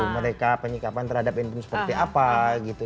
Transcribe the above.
mereka penyikapan terhadap handphone seperti apa gitu